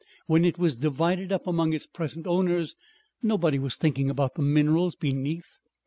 When it was divided up among its present owners nobody was thinking about the minerals beneath.